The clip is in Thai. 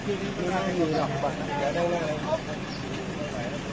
กินเหล้าเมาบ่อยไหมเมามากไม่เมามากอืม